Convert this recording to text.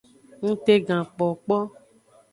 Ngtegankpokpo.